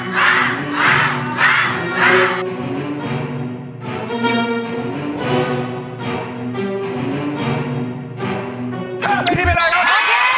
เฮ้อทีนี้เป็นไหร่แล้ว